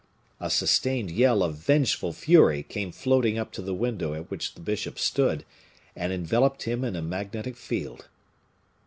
A sustained yell of vengeful fury came floating up to the window at which the bishop stood, and enveloped him in a magnetic field.